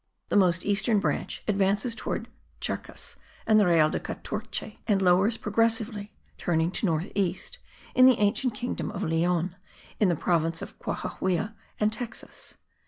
The most eastern branch advances towards Charcas and the Real de Catorce, and lowers progressively (turning to north east) in the ancient kingdom of Leon, in the province of Cohahuila and Texas.